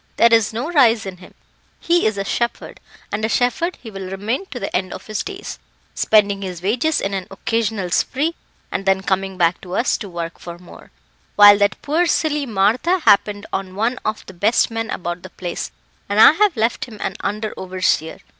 There is no rise in him; he is a shepherd, and a shepherd he will remain to the end of his days, spending his wages in an occasional spree, and then coming back to us to work for more; while that poor silly Martha happened on one of the best men about the place, and I have left him an under overseer.